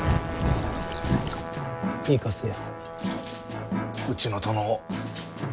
行かせよ。